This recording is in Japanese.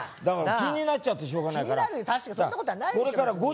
だから気になっちゃってしようがないから。